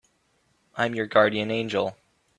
I'm your guardian angel.